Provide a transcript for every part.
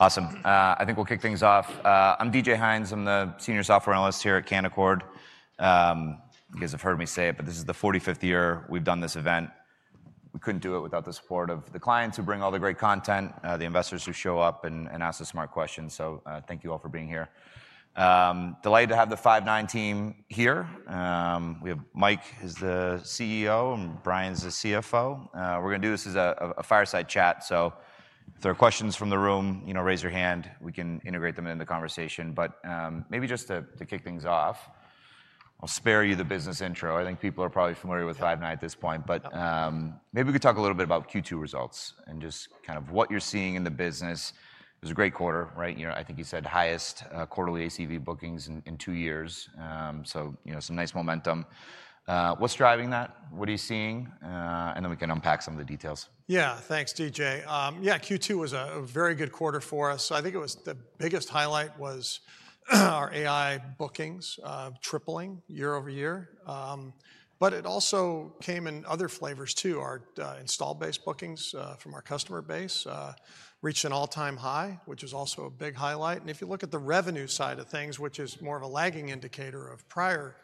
Awesome. I think we'll kick things off. I'm DJ Heinz. I'm the Senior Software Analyst here at Canaccord. You guys have heard me say it, but this is the 45th year we've done this event. We couldn't do it without the support of the clients who bring all the great content, the investors who show up and ask the smart questions. Thank you all for being here. Delighted to have the Five9 team here. We have Mike, who's the CEO, and Bryan's the CFO. We're going to do this as a fireside chat. If there are questions from the room, you know, raise your hand. We can integrate them into the conversation. Maybe just to kick things off, I'll spare you the business intro. I think people are probably familiar with Five9 at this point. Maybe we could talk a little bit about Q2 results and just kind of what you're seeing in the business. It was a great quarter, right? I think you said highest quarterly ACV bookings in two years. Some nice momentum. What's driving that? What are you seeing? We can unpack some of the details. Yeah, thanks, DJ. Q2 was a very good quarter for us. I think the biggest highlight was our AI bookings tripling year-over-year. It also came in other flavors too. Our install-based bookings from our customer base reached an all-time high, which is also a big highlight. If you look at the revenue side of things, which is more of a lagging indicator of prior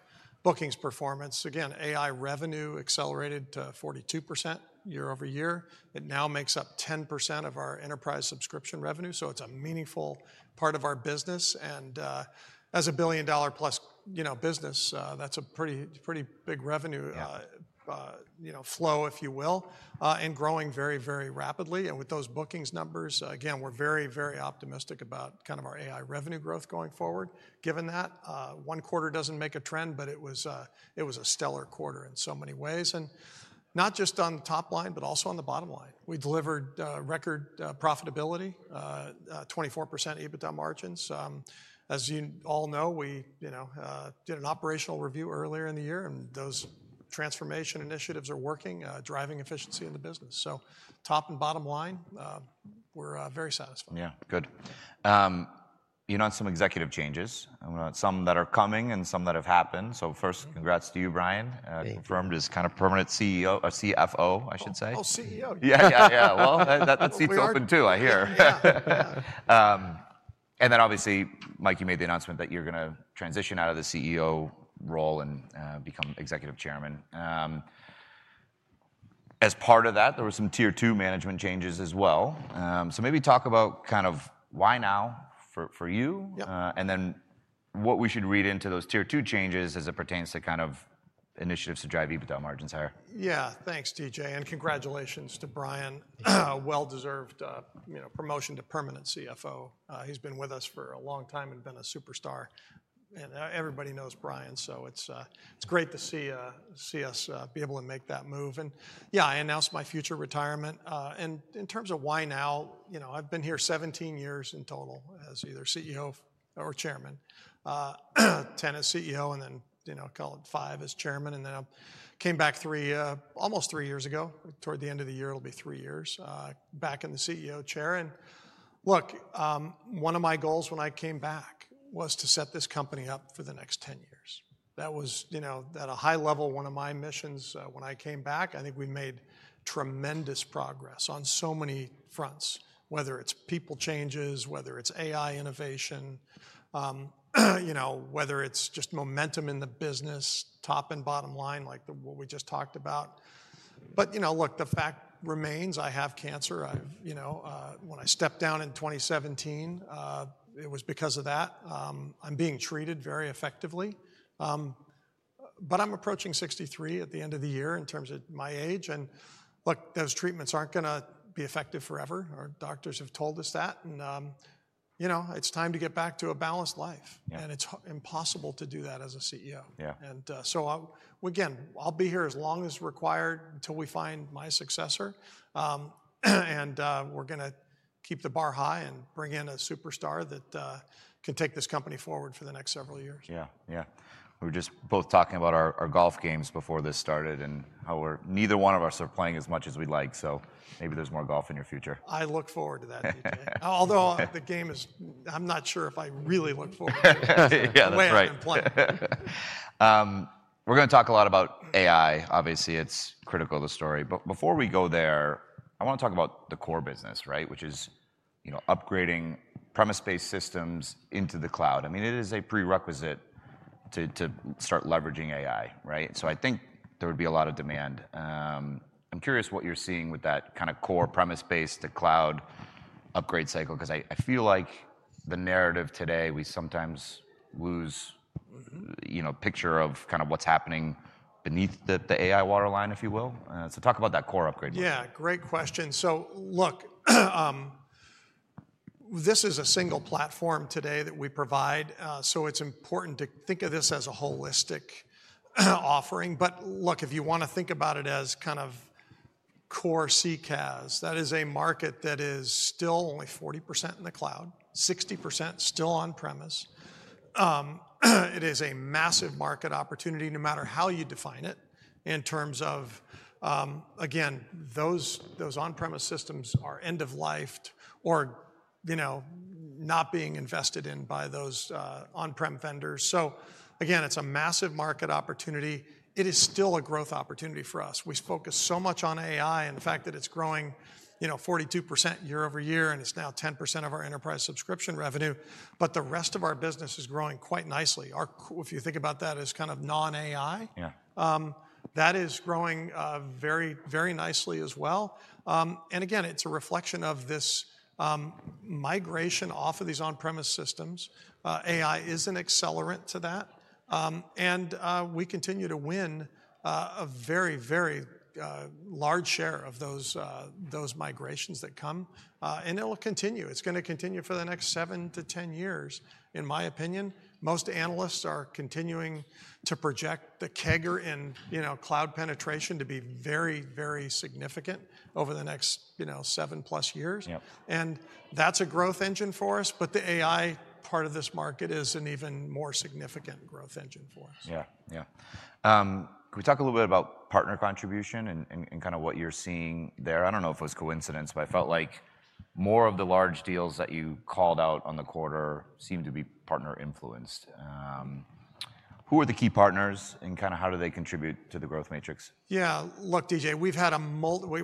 bookings performance, again, AI revenue accelerated to 42% year-over-year. It now makes up 10% of our enterprise subscription revenue. It's a meaningful part of our business. As a $1 billion+ business, that's a pretty big revenue flow, if you will, and growing very, very rapidly. With those bookings numbers, again, we're very, very optimistic about kind of our AI revenue growth going forward. Given that, one quarter doesn't make a trend, but it was a stellar quarter in so many ways, not just on the top line, but also on the bottom line. We delivered record profitability, 24% EBITDA margins. As you all know, we did an operational review earlier in the year, and those transformation initiatives are working, driving efficiency in the business. Top and bottom line, we're very satisfied. Yeah, good. You know, on some executive changes, some that are coming and some that have happened. First, congrats to you, Bryan, confirmed as kind of permanent CFO, I should say. Oh, CEO. Yeah, that seat's open too, I hear. Obviously, Mike, you made the announcement that you're going to transition out of the CEO role and become Executive Chairman. As part of that, there were some tier two management changes as well. Maybe talk about why now for you, and what we should read into those tier two changes as it pertains to initiatives to drive EBITDA margins higher. Yeah, thanks, DJ. Congratulations to Bryan, well-deserved promotion to permanent CFO. He's been with us for a long time and been a superstar. Everybody knows Bryan. It's great to see us be able to make that move. I announced my future retirement. In terms of why now, I've been here 17 years in total as either CEO or Chairman, 10 years as CEO, and then, call it five as Chairman. I came back almost three years ago. Toward the end of the year, it'll be three years back in the CEO chair. One of my goals when I came back was to set this company up for the next 10 years. That was, at a high level, one of my missions when I came back. I think we made tremendous progress on so many fronts, whether it's people changes, whether it's AI innovation, whether it's just momentum in the business, top and bottom line, like what we just talked about. The fact remains, I have cancer. When I stepped down in 2017, it was because of that. I'm being treated very effectively. I'm approaching 63 years at the end of the year in terms of my age. Those treatments aren't going to be effective forever. Our doctors have told us that. It's time to get back to a balanced life. It's impossible to do that as a CEO. I'll be here as long as required until we find my successor. We're going to keep the bar high and bring in a superstar that can take this company forward for the next several years. Yeah, yeah. We were just both talking about our golf games before this started and how neither one of us are playing as much as we'd like. Maybe there's more golf in your future. I look forward to that, although the game is, I'm not sure if I really look forward to it. Yeah, that's right. We're going to talk a lot about AI. Obviously, it's critical to the story. Before we go there, I want to talk about the core business, right? Which is, you know, upgrading premise-based systems into the cloud. I mean, it is a prerequisite to start leveraging AI, right? I think there would be a lot of demand. I'm curious what you're seeing with that kind of core premise-based to cloud upgrade cycle, because I feel like the narrative today, we sometimes lose a picture of kind of what's happening beneath the AI waterline, if you will. Talk about that core upgrade. Yeah, great question. This is a single platform today that we provide. It's important to think of this as a holistic offering. If you want to think about it as kind of core CCAs, that is a market that is still only 40% in the cloud, 60% still on-premise. It is a massive market opportunity, no matter how you define it, in terms of those on-premise systems being end-of-life or not being invested in by those on-prem vendors. It is still a growth opportunity for us. We focus so much on AI and the fact that it's growing 42% year-over-year, and it's now 10% of our enterprise subscription revenue. The rest of our business is growing quite nicely. If you think about that as kind of non-AI, that is growing very, very nicely as well. It's a reflection of this migration off of these on-premise systems. AI is an accelerant to that. We continue to win a very, very large share of those migrations that come. It will continue. It's going to continue for the next seven to ten years. In my opinion, most analysts are continuing to project the CAGR in cloud penetration to be very, very significant over the next seven plus years. That's a growth engine for us. The AI part of this market is an even more significant growth engine for us. Can we talk a little bit about partner contribution and kind of what you're seeing there? I don't know if it was coincidence, but I felt like more of the large deals that you called out on the quarter seem to be partner-influenced. Who are the key partners and kind of how do they contribute to the growth matrix? Yeah, look, DJ, we've had a,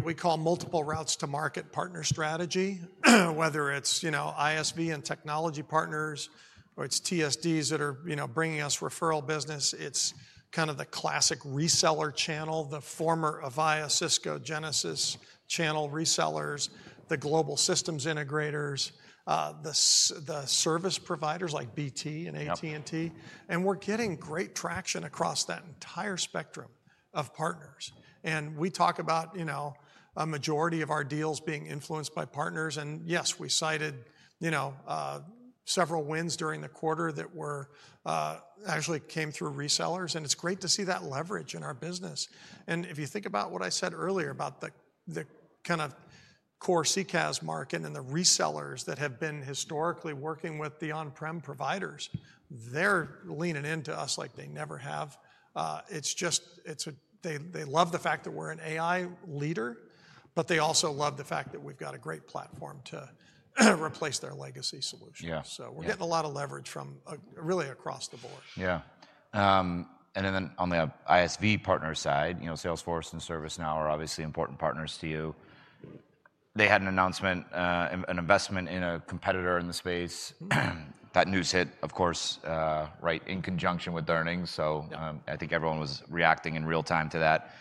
we call it multiple routes to market partner strategy, whether it's, you know, ISV and technology partners, or it's TSDs that are, you know, bringing us referral business. It's kind of the classic reseller channel, the former Avaya, Cisco, Genesys channel resellers, the global systems integrators, the service providers like BT and AT&T. We're getting great traction across that entire spectrum of partners. We talk about a majority of our deals being influenced by partners. Yes, we cited several wins during the quarter that actually came through resellers. It's great to see that leverage in our business. If you think about what I said earlier about the kind of core CCaaS market and the resellers that have been historically working with the on-prem providers, they're leaning into us like they never have. They love the fact that we're an AI leader, but they also love the fact that we've got a great platform to replace their legacy solutions. We're getting a lot of leverage from really across the board. Yeah. On the ISV partner side, you know, Salesforce and ServiceNow are obviously important partners to you. They had an announcement, an investment in a competitor in the space. That news hit, of course, right in conjunction with earnings. I think everyone was reacting in real time to that.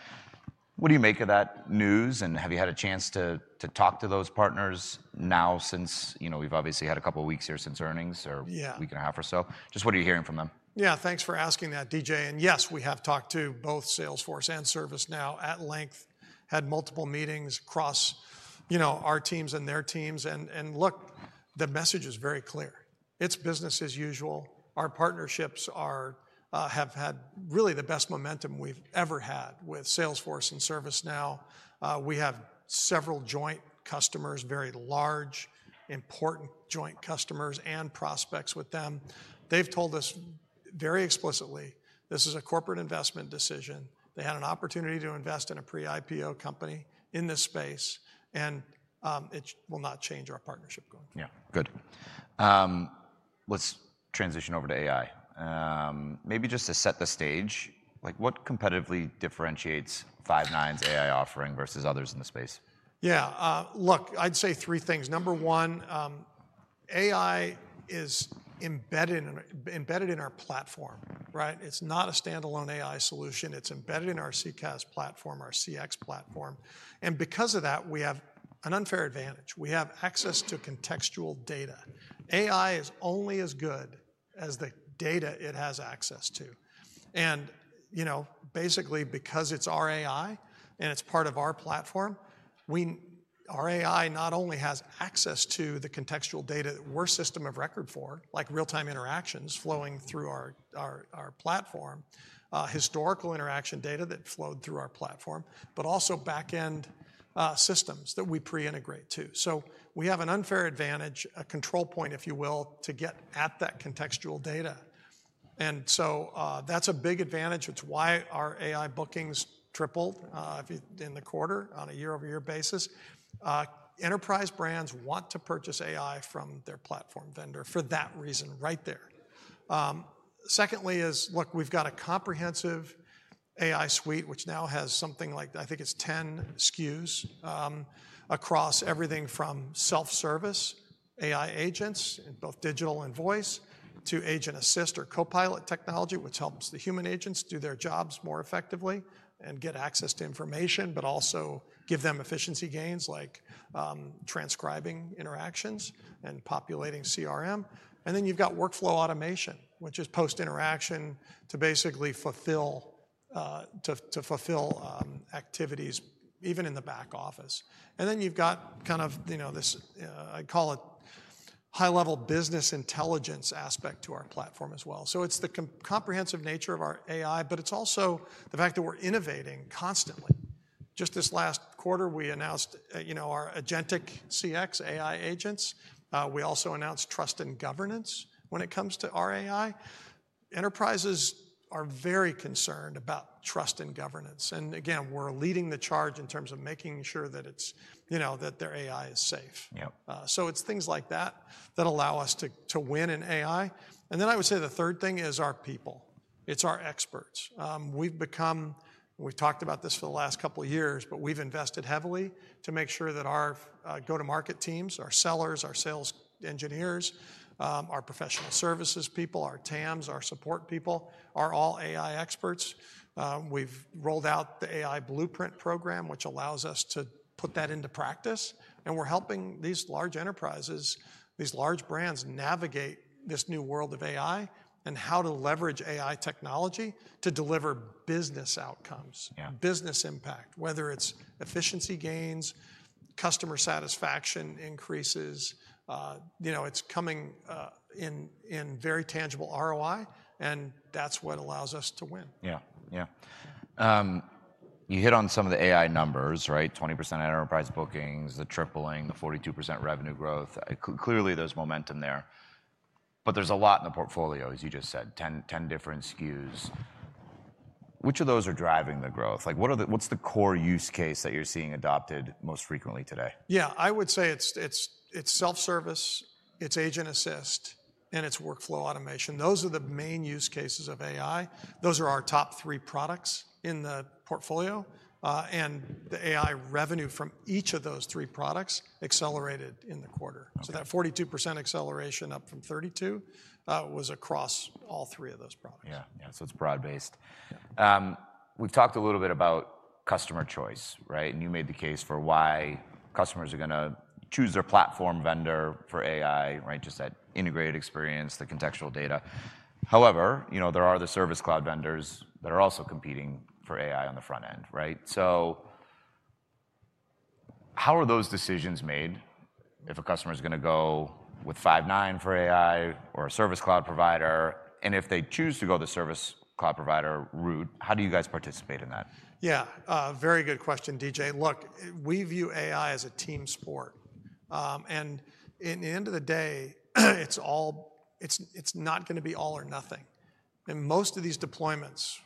What do you make of that news? Have you had a chance to talk to those partners now since, you know, we've obviously had a couple of weeks here since earnings, or a week and a half or so? What are you hearing from them? Yeah, thanks for asking that, DJ. Yes, we have talked to both Salesforce and ServiceNow at length, had multiple meetings across our teams and their teams. The message is very clear. It's business as usual. Our partnerships have had really the best momentum we've ever had with Salesforce and ServiceNow. We have several joint customers, very large, important joint customers and prospects with them. They've told us very explicitly this is a corporate investment decision. They had an opportunity to invest in a pre-IPO company in this space, and it will not change our partnership going forward. Yeah, good. Let's transition over to AI. Maybe just to set the stage, what competitively differentiates Five9's AI offering versus others in the space? Yeah, look, I'd say three things. Number one, AI is embedded in our platform, right? It's not a standalone AI solution. It's embedded in our cloud contact center platform, our CX platform. Because of that, we have an unfair advantage. We have access to contextual data. AI is only as good as the data it has access to. Basically, because it's our AI and it's part of our platform, our AI not only has access to the contextual data that we're a system of record for, like real-time interactions flowing through our platform, historical interaction data that flowed through our platform, but also backend systems that we pre-integrate to. We have an unfair advantage, a control point, if you will, to get at that contextual data. That's a big advantage. It's why our AI bookings tripled in the quarter on a year-over-year basis. Enterprise brands want to purchase AI from their platform vendor for that reason right there. Secondly, we've got a comprehensive AI suite, which now has something like, I think it's 10 SKUs across everything from self-service AI agents in both digital and voice to agent assist or copilot technology, which helps the human agents do their jobs more effectively and get access to information, but also give them efficiency gains like transcribing interactions and populating CRM. Then you've got workflow automation, which is post-interaction to basically fulfill activities even in the back office. You've got kind of, you know, this, I'd call it high-level business intelligence aspect to our platform as well. It's the comprehensive nature of our AI, but it's also the fact that we're innovating constantly. Just this last quarter, we announced our Agentic CX AI agents. We also announced trust and governance when it comes to our AI. Enterprises are very concerned about trust and governance. We're leading the charge in terms of making sure that their AI is safe. It's things like that that allow us to win in AI. I would say the third thing is our people. It's our experts. We've become, we've talked about this for the last couple of years, but we've invested heavily to make sure that our go-to-market teams, our sellers, our sales engineers, our professional services people, our TAMs, our support people are all AI experts. We've rolled out the AI Blueprint program, which allows us to put that into practice. We're helping these large enterprises, these large brands navigate this new world of AI and how to leverage AI technology to deliver business outcomes, business impact, whether it's efficiency gains, customer satisfaction increases. It's coming in very tangible ROI, and that's what allows us to win. You hit on some of the AI numbers, right? 20% enterprise bookings, the tripling, the 42% revenue growth. Clearly, there's momentum there. There's a lot in the portfolio, as you just said, 10 different SKUs. Which of those are driving the growth? What's the core use case that you're seeing adopted most frequently today? Yeah, I would say it's self-service, it's agent assist, and it's workflow automation. Those are the main use cases of AI. Those are our top three products in the portfolio. The AI revenue from each of those three products accelerated in the quarter. That 42% acceleration, up from 32%, was across all three of those products. Yeah, yeah. It's broad-based. We've talked a little bit about customer choice, right? You made the case for why customers are going to choose their platform vendor for AI, right? Just that integrated experience, the contextual data. However, there are the service cloud vendors that are also competing for AI on the front end, right? How are those decisions made if a customer is going to go with Five9 for AI or a service cloud provider? If they choose to go the service cloud provider route, how do you guys participate in that? Yeah, very good question, DJ. Look, we view AI as a team sport. At the end of the day, it's not going to be all or nothing. In most of these deployments,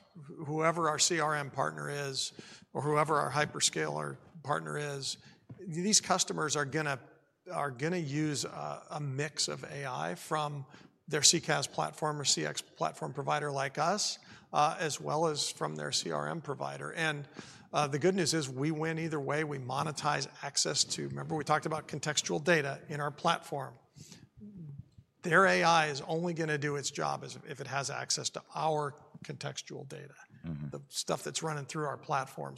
whoever our CRM partner is, or whoever our hyperscaler partner is, these customers are going to use a mix of AI from their CCAs platform or CX platform provider like us, as well as from their CRM provider. The good news is we win either way. We monetize access to, remember we talked about contextual data in our platform. Their AI is only going to do its job if it has access to our contextual data, the stuff that's running through our platform.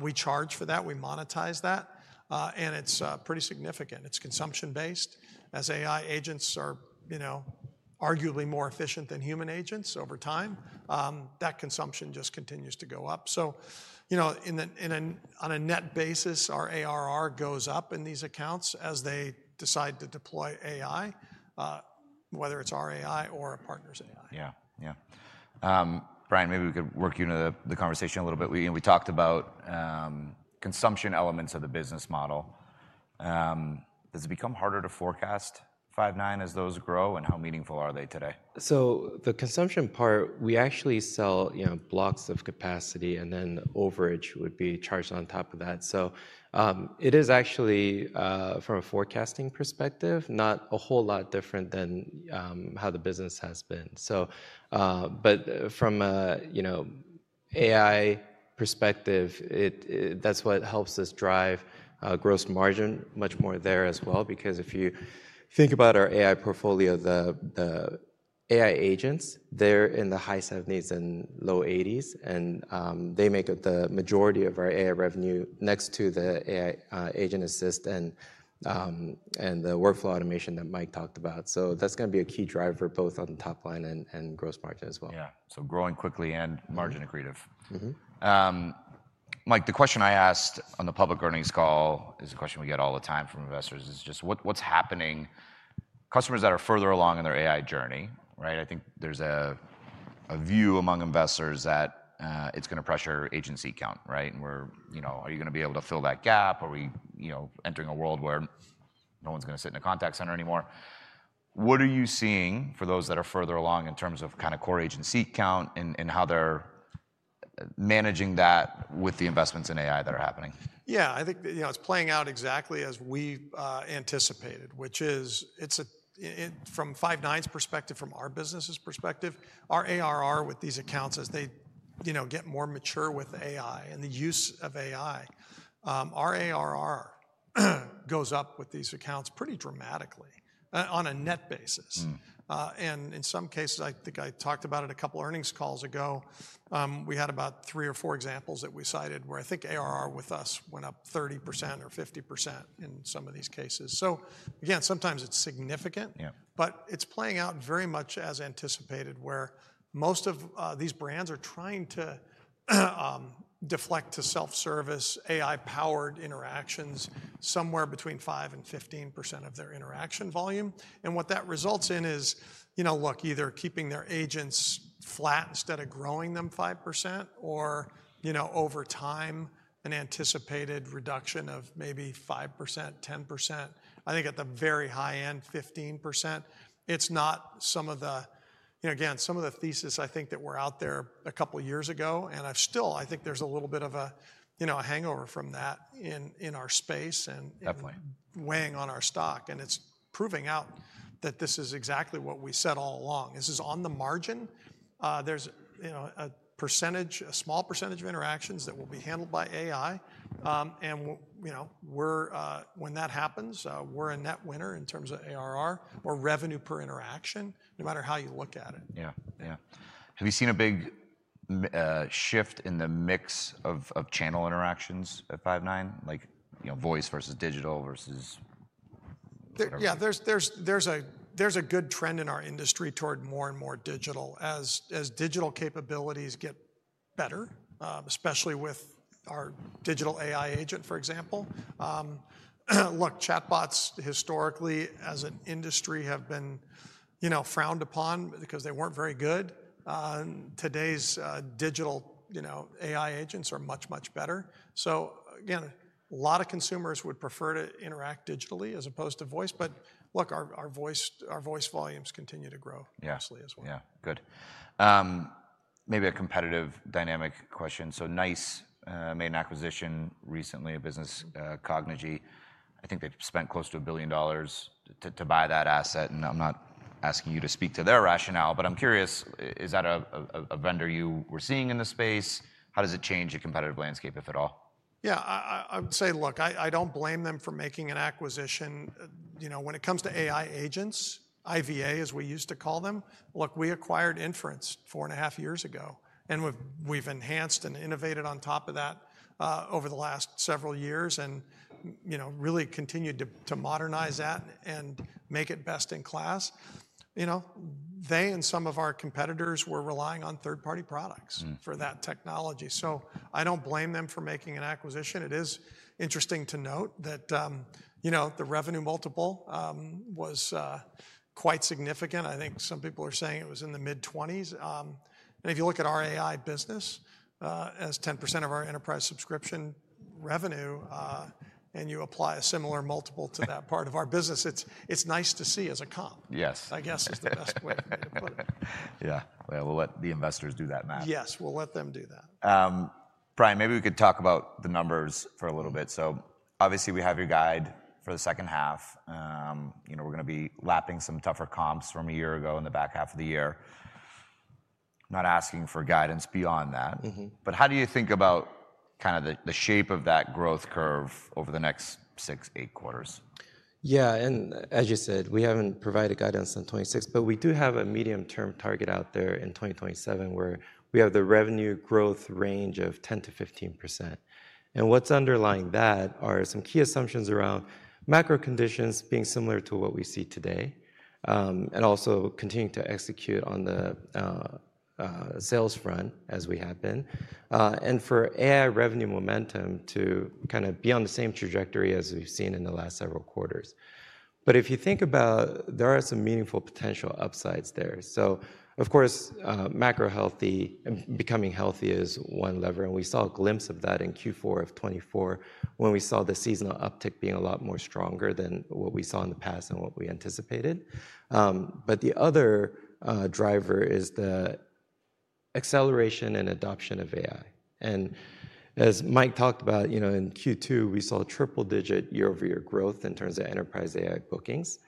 We charge for that. We monetize that. It's pretty significant. It's consumption-based. As AI agents are, you know, arguably more efficient than human agents over time, that consumption just continues to go up. On a net basis, our ARR goes up in these accounts as they decide to deploy AI, whether it's our AI or a partner's AI. Bryan, maybe we could work you into the conversation a little bit. We talked about consumption elements of the business model. Does it become harder to forecast Five9 as those grow, and how meaningful are they today? The consumption part, we actually sell blocks of capacity, and then overage would be charged on top of that. It is actually, from a forecasting perspective, not a whole lot different than how the business has been. From an AI perspective, that's what helps us drive gross margin much more there as well, because if you think about our AI portfolio, the AI agents, they're in the high 70% and low 80%, and they make up the majority of our AI revenue next to the AI agent assist and the workflow automation that Mike talked about. That's going to be a key driver both on the top line and gross margin as well. Yeah, so growing quickly and margin accretive. Mike, the question I asked on the public earnings call is a question we get all the time from investors. It's just what's happening? Customers that are further along in their AI journey, right? I think there's a view among investors that it's going to pressure agency count, right? Are you going to be able to fill that gap? Are we entering a world where no one's going to sit in a contact center anymore? What are you seeing for those that are further along in terms of kind of core agency count and how they're managing that with the investments in AI that are happening? Yeah, I think it's playing out exactly as we anticipated, which is, from Five9's perspective, from our business's perspective, our ARR with these accounts as they get more mature with AI and the use of AI, our ARR goes up with these accounts pretty dramatically on a net basis. In some cases, like I talked about a couple earnings calls ago, we had about three or four examples that we cited where I think ARR with us went up 30% or 50% in some of these cases. Sometimes it's significant, but it's playing out very much as anticipated where most of these brands are trying to deflect to self-service AI-powered interactions somewhere between 5% and 15% of their interaction volume. What that results in is either keeping their agents flat instead of growing them 5% or, over time, an anticipated reduction of maybe 5%-10%. I think at the very high end, 15%. It's not some of the theses I think that were out there a couple of years ago, and I still think there's a little bit of a hangover from that in our space and definitely weighing on our stock. It's proving out that this is exactly what we said all along. This is on the margin. There's a percentage, a small percentage of interactions that will be handled by AI. When that happens, we're a net winner in terms of ARR or revenue per interaction, no matter how you look at it. Yeah. Have you seen a big shift in the mix of channel interactions at Five9, like, you know, voice versus digital versus... Yeah, there's a good trend in our industry toward more and more digital as digital capabilities get better, especially with our digital AI agent, for example. Chatbots historically as an industry have been, you know, frowned upon because they weren't very good. Today's digital, you know, AI agents are much, much better. A lot of consumers would prefer to interact digitally as opposed to voice. Our voice volumes continue to grow mostly as well. Yeah, good. Maybe a competitive dynamic question. NICE made an acquisition recently of business Cognigy. I think they've spent close to $1 billion to buy that asset. I'm not asking you to speak to their rationale, but I'm curious, is that a vendor you were seeing in the space? How does it change the competitive landscape, if at all? Yeah, I would say, look, I don't blame them for making an acquisition. You know, when it comes to AI agents, IVA as we used to call them, we acquired Inference four and a half years ago. We've enhanced and innovated on top of that over the last several years and really continued to modernize that and make it best in class. They and some of our competitors were relying on third-party products for that technology. I don't blame them for making an acquisition. It is interesting to note that the revenue multiple was quite significant. I think some people are saying it was in the mid-20s. If you look at our AI business as 10% of our enterprise subscription revenue and you apply a similar multiple to that part of our business, it's nice to see as a comp. Yes. I guess is the best way to put it. Yeah, let the investors do that math. Yes, we'll let them do that. Bryan, maybe we could talk about the numbers for a little bit. Obviously, we have your guide for the second half. We're going to be lapping some tougher comps from a year ago in the back half of the year. Not asking for guidance beyond that, but how do you think about kind of the shape of that growth curve over the next six, eight quarters? Yeah, and as you said, we haven't provided guidance on 2026, but we do have a medium-term target out there in 2027 where we have the revenue growth range of 10%-15%. What's underlying that are some key assumptions around macro conditions being similar to what we see today and also continuing to execute on the sales front as we have been. For AI revenue momentum to kind of be on the same trajectory as we've seen in the last several quarters, if you think about it, there are some meaningful potential upsides there. Of course, macro healthy and becoming healthy is one lever. We saw a glimpse of that in Q4 of 2024 when we saw the seasonal uptick being a lot stronger than what we saw in the past and what we anticipated. The other driver is the acceleration and adoption of AI. As Mike talked about, in Q2, we saw triple-digit year-over-year growth in terms of enterprise AI bookings.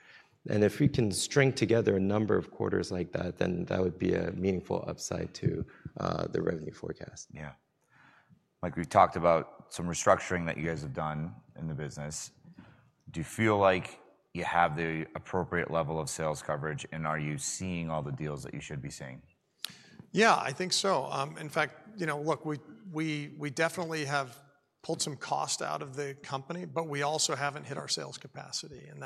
If we can string together a number of quarters like that, that would be a meaningful upside to the revenue forecast. Mike, we talked about some restructuring that you guys have done in the business. Do you feel like you have the appropriate level of sales coverage? Are you seeing all the deals that you should be seeing? Yeah, I think so. In fact, we definitely have pulled some cost out of the company, but we also haven't hit our sales capacity in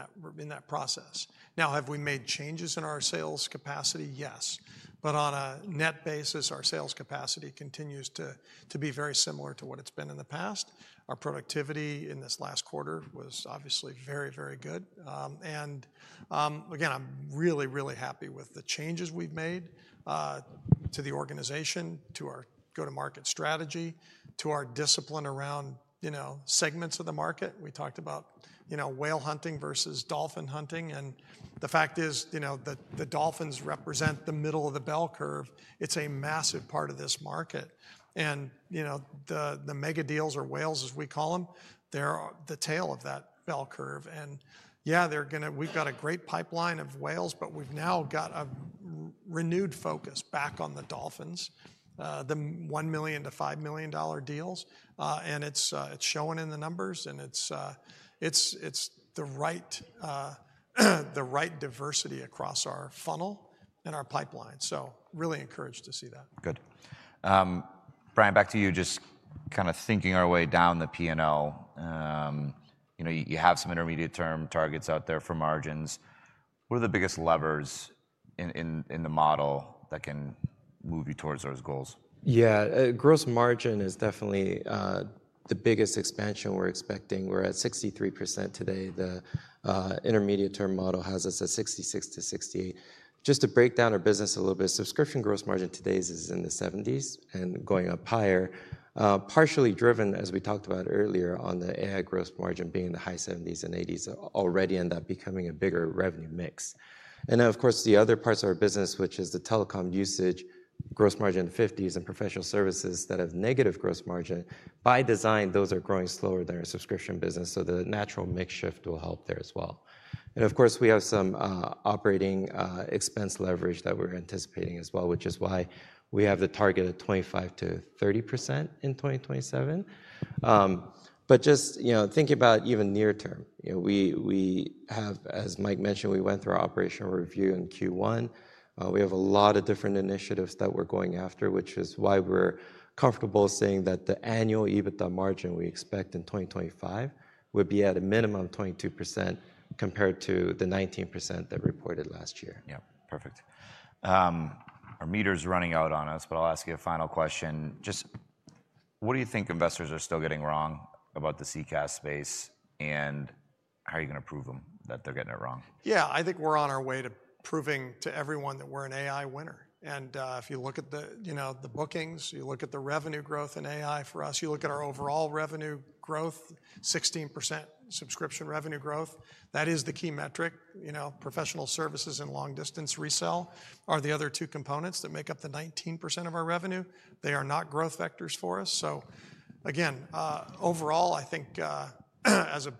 that process. Now, have we made changes in our sales capacity? Yes. On a net basis, our sales capacity continues to be very similar to what it's been in the past. Our productivity in this last quarter was obviously very, very good. I'm really, really happy with the changes we've made to the organization, to our go-to-market strategy, to our discipline around segments of the market. We talked about whale hunting versus dolphin hunting. The fact is, the dolphins represent the middle of the bell curve. It's a massive part of this market. The mega deals, or whales as we call them, they're the tail of that bell curve. They're going to, we've got a great pipeline of whales, but we've now got a renewed focus back on the dolphins, the $1 million-$5 million deals. It's showing in the numbers. It's the right diversity across our funnel and our pipeline. Really encouraged to see that. Good. Bryan, back to you, just kind of thinking our way down the P&L. You know, you have some intermediate term targets out there for margins. What are the biggest levers in the model that can move you towards those goals? Yeah, gross margin is definitely the biggest expansion we're expecting. We're at 63% today. The intermediate term model has us at 66%-68%. Just to break down our business a little bit, subscription gross margin today is in the 70s and going up higher, partially driven, as we talked about earlier, on the AI gross margin being in the high 70s and 80s already and becoming a bigger revenue mix. Of course, the other parts of our business, which is the telecom usage, gross margin in the 50s and professional services that have negative gross margin by design, those are growing slower than our subscription business. The natural mix shift will help there as well. Of course, we have some operating expense leverage that we're anticipating as well, which is why we have the target of 25%-30% in 2027. Just, you know, thinking about even near term, you know, we have, as Mike mentioned, we went through our operational review in Q1. We have a lot of different initiatives that we're going after, which is why we're comfortable saying that the annual EBITDA margin we expect in 2025 would be at a minimum of 22% compared to the 19% that reported last year. Yeah, perfect. Our meter's running out on us, but I'll ask you a final question. Just what do you think investors are still getting wrong about the CCaaS space and how are you going to prove them that they're getting it wrong? Yeah, I think we're on our way to proving to everyone that we're an AI winner. If you look at the bookings, you look at the revenue growth in AI for us, you look at our overall revenue growth, 16% subscription revenue growth. That is the key metric. Professional services and long-distance resell are the other two components that make up the 19% of our revenue. They are not growth vectors for us. Again, overall, I think as a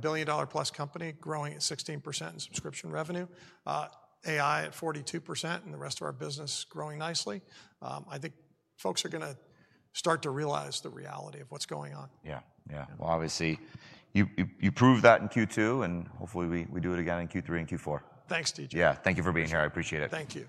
billion-dollar-plus company growing at 16% in subscription revenue, AI at 42% and the rest of our business growing nicely, I think folks are going to start to realize the reality of what's going on. Obviously, you proved that in Q2 and hopefully we do it again in Q3 and Q4. Thanks, DJ. Yeah, thank you for being here. I appreciate it. Thank you.